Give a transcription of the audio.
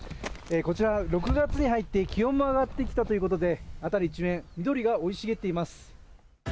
こちら、６月に入って気温も上がってきたということで辺り一面、緑が生い茂っています。